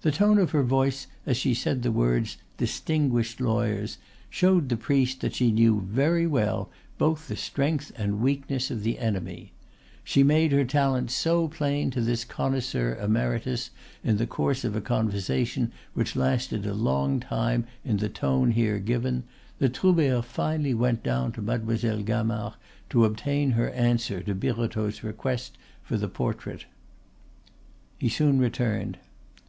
The tone of her voice as she said the words "distinguished lawyers" showed the priest that she knew very well both the strength and weakness of the enemy. She made her talent so plain to this connoisseur emeritus in the course of a conversation which lasted a long time in the tone here given, that Troubert finally went down to Mademoiselle Gamard to obtain her answer to Birotteau's request for the portrait. He soon returned.